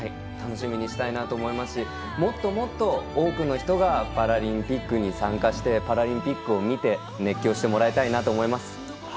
楽しみにしたいと思いますしもっともっと多くの人がパラリンピックに参加してパラリンピックを見て熱狂してもらいたいなと思います。